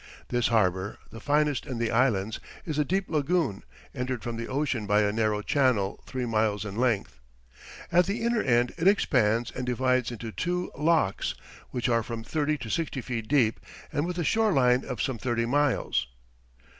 This harbour, the finest in the Islands, is a deep lagoon, entered from the ocean by a narrow channel three miles in length. At the inner end it expands and divides into two "lochs," which are from thirty to sixty feet deep and with a shore line of some thirty miles.